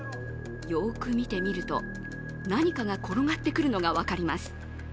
よく見てみると、何かが転がってくるのが分かります。